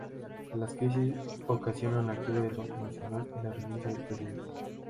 La crisis ocasionó la quiebra del Banco Nacional y la renuncia del Presidente.